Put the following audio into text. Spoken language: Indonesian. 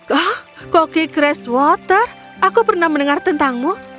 hah koki cresswater aku pernah mendengar tentangmu